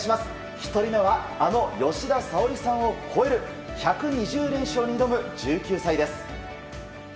１人目はあの吉田沙保里さんを超える１２０連勝に挑む１９歳です。